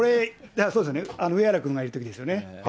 上原君が行ってたときですよね。